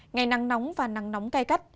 ngày nắng nóng và nắng nóng cay cắt